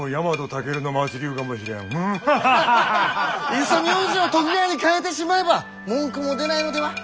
いっそ名字を得川に変えてしまえば文句も出ないのでは？